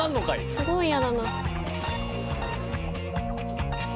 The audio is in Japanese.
すごい嫌だな。